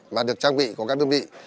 mà được trang bị của các đơn vị